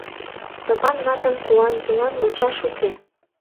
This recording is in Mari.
Стопан ватын куанжылан мучаш уке.